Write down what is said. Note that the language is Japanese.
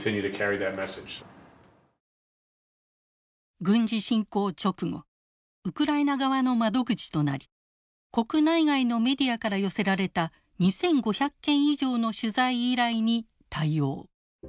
軍事侵攻直後ウクライナ側の窓口となり国内外のメディアから寄せられた２，５００件以上の取材依頼に対応。